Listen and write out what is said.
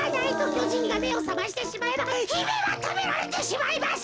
きょじんがめをさましてしまえばひめはたべられてしまいます。